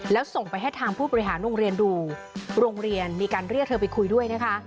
แล้วส่งไปให้ทางผู้บริหารโรงเรียนดูโรงเรียนมีการเรียกเธอไปคุยด้วยนะคะ